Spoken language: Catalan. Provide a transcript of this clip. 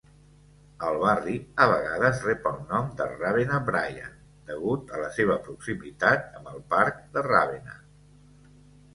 El barri a vegades rep el nom de Ravenna-Bryant, degut a la seva proximitat amb el parc de Ravenna.